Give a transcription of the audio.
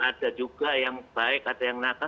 ada juga yang baik ada yang nakal